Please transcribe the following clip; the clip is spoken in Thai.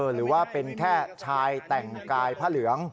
หรือว่าเป็นแค่ชายแต่งกายผ้าเหลือง